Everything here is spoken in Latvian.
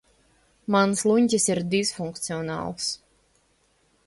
Mans luņķis ir disfunkcionāls.